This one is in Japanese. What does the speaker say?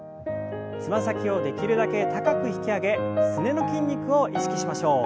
つま先をできるだけ高く引き上げすねの筋肉を意識しましょう。